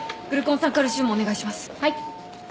はい。